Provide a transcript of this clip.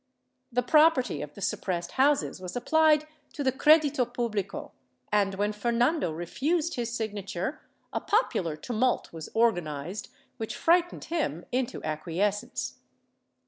The property of the suppressed houses was apphed to the Credito publico and, when Fernando refused his signature, a popular tumult was organized which frightened him into acquies cence.